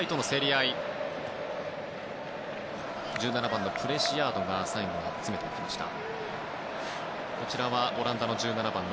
１７番のプレシアードが最後詰めました。